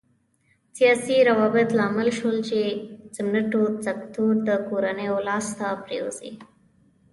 سیاسي روابط لامل شول چې سمنټو سکتور د کورنیو لاس ته پرېوځي.